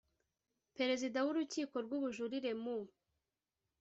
perezida w urukiko rw ubujurire mu